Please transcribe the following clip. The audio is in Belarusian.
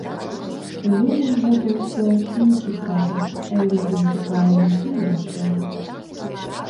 Людзям гэта ўсё не цікава, людзям цікава зусім іншае.